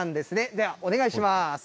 ではお願いします。